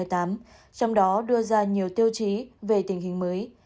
trong đó đưa ra nhiều tiêu chí về tình hình mới